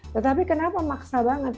tetapi kenapa maksa banget